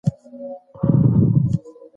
موږ هم باید نوي سو.